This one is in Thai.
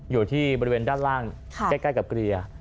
อยู่ที่บริเวณด้านล่างใกล้กับเกลีย